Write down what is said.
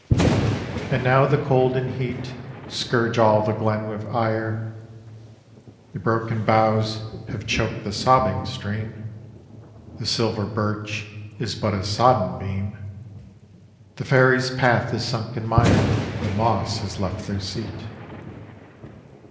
And now the cold and heat Scourge all the glen with ire; The broken boughs have choked the sobbing stream, The silver birch is but a sodden beam, The fairies' path is sunk in mire, The moss has left their seat.